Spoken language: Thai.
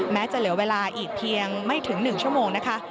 แม้จะเหลือเวลาอีกเพียงไม่ถึง๑ชั่วโมงนะคะ